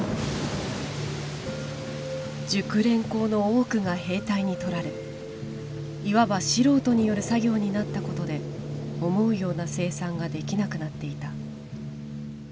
熟練工の多くが兵隊にとられいわば素人による作業になったことで思うような生産ができなくなっていた。